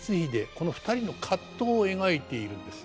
この２人の葛藤を描いているんです。